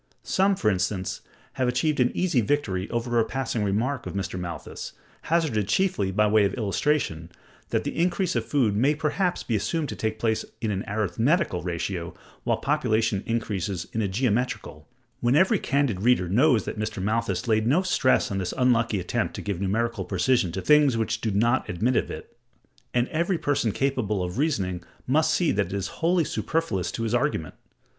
Some, for instance, have achieved an easy victory over a passing remark of Mr. Malthus, hazarded chiefly by way of illustration, that the increase of food may perhaps be assumed to take place in an arithmetical ratio, while population increases in a geometrical: when every candid reader knows that Mr. Malthus laid no stress on this unlucky attempt to give numerical precision to things which do not admit of it, and every person capable of reasoning must see that it is wholly superfluous to his argument.